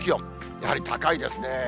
やはり高いですね。